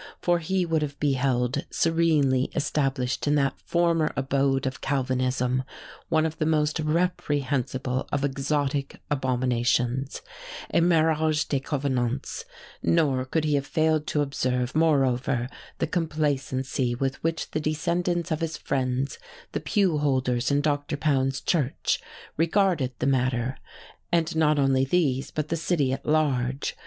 For he would have beheld serenely established in that former abode of Calvinism one of the most reprehensible of exotic abominations, a 'mariage de convenance;' nor could he have failed to observe, moreover, the complacency with which the descendants of his friends, the pew holders in Dr. Pound's church, regarded the matter: and not only these, but the city at large.